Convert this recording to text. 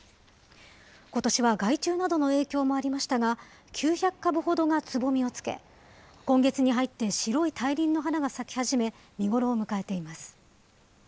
ことしは害虫などの影響もありましたが、９００株ほどがつぼみをつけ、今月に入って白い大輪の花が咲き始め、見頃を迎えています。